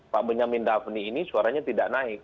pak benyamin daphni ini suaranya tidak naik